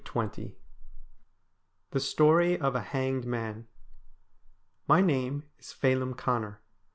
271 XX THE STORY OF A HANGED MAN My name is Phelim Connor.